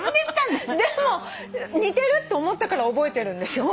でも似てるって思ったから覚えてるんでしょ？